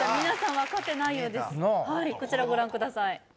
はいこちらご覧ください